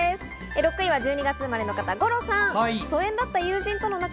６位は１２月生まれの方、五郎さん。